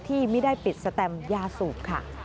ที่ไม่ได้ปิดสแตมยาสูบค่ะ